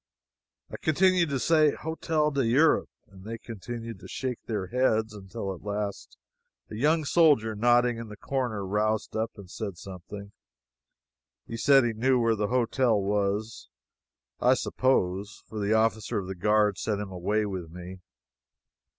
I continued to say Hotel d'Europe, and they continued to shake their heads, until at last a young soldier nodding in the corner roused up and said something. He said he knew where the hotel was, I suppose, for the officer of the guard sent him away with me.